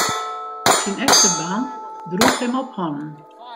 Syn efterban droech him op hannen.